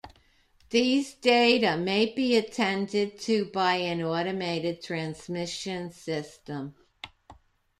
These data may be attended to by an automated transmission system.